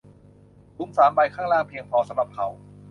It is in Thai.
ถุงสามใบข้างล่างเพียงพอสำหรับเขา